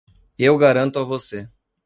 Eu garanto a você.